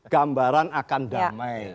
gambaran akan damai